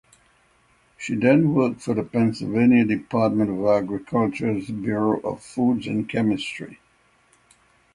She then worked for the Pennsylvania Department of Agriculture’s Bureau of Foods and Chemistry.